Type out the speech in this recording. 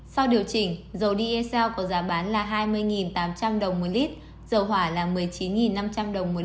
sau điều chỉnh dầu dsl có giá bán là hai mươi tám trăm linh đồng một lít dầu hỏa là một mươi chín năm trăm linh đồng một lít và dầu ma rút là một mươi bảy chín trăm ba mươi đồng một kg